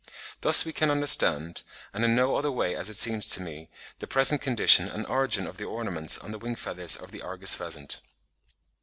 Thus we can understand—and in no other way as it seems to me—the present condition and origin of the ornaments on the wing feathers of the Argus pheasant.